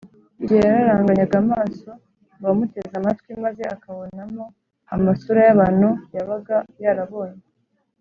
igihe yararanganyaga amaso mu bamuteze amatwi maze akabonamo amasura y’abantu yabaga yarabonye